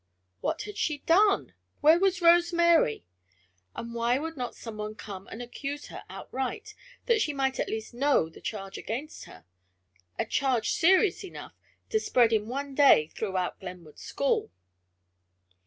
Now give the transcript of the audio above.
What had she done? Where was Rose Mary? And why would not someone come and accuse her outright, that she might at least know the charge against her a charge serious enough to spread in one day throughout Glenwood school!